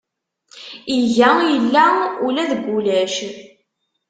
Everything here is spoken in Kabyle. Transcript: Iga illa ula deg ulac.